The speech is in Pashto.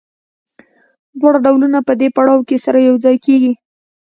دواړه ډولونه په دې پړاو کې سره یوځای کېږي